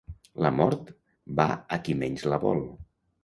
La mort va a qui menys la vol.